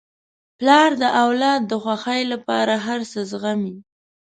پلار د اولاد د خوښۍ لپاره هر څه زغمي.